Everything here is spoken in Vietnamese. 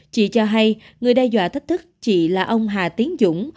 chị cho hay người đe dọa thách thức chị là ông hà tiến dũng